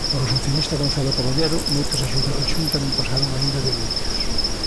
Para o socialista Gonzalo Caballero, moitas axudas da Xunta non pasaron aínda de anuncios.